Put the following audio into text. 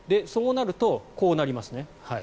そうなるとこうなりますね。